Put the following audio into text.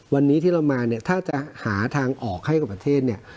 วันนี้ที่เรามาเนี่ยถ้าจะหาทางออกให้กับประเทศเนี่ย